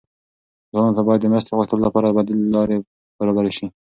ځوانانو ته باید د مرستې غوښتلو لپاره بدیل لارې برابرې شي.